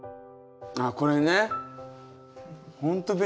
あこれね。